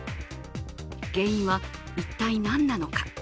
原因は、一体何なのか？